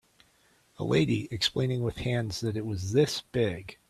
A lady explaining with hands that it was this big.